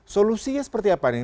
solusinya seperti apa nih